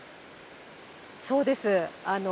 そうです。